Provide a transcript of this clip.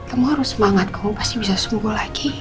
kamu harus semangat kamu pasti bisa sembuh lagi